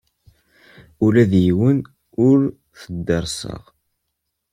Ula d yiwen ur t-derrseɣ.